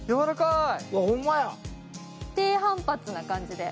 低反発な感じで。